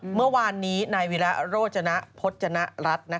เมื่อวานนี้ในเวลาโรจณะพจณะรัฐ